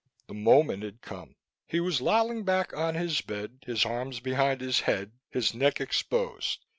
The moment had come. He was lolling back on his bed, his arms behind his head, his neck exposed.